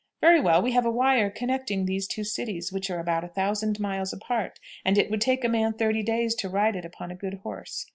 "Very well; we have a wire connecting these two cities, which are about a thousand miles apart, and it would take a man thirty days to ride it upon a good horse.